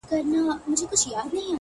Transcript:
هغې بېگاه زما د غزل کتاب ته اور واچوه،